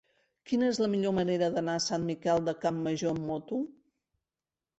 Quina és la millor manera d'anar a Sant Miquel de Campmajor amb moto?